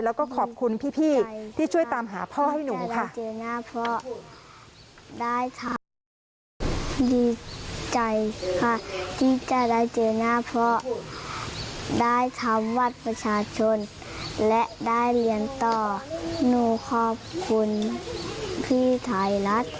แล้วก็ขอบคุณพี่ที่ช่วยตามหาพ่อให้หนูค่ะ